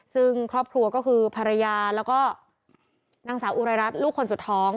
ซึ่งครอบครัวก็คือภรรยาแล้วก็นางสาวอุรายรัฐลูกคนสุดท้อง